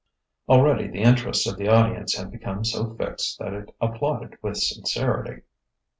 Already the interest of the audience had become so fixed that it applauded with sincerity.